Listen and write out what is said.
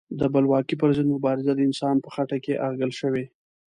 د بلواکۍ پر ضد مبارزه د انسان په خټه کې اغږل شوې.